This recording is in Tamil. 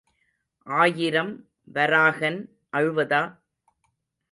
ஆயிரம் வராகன் அழுவதா?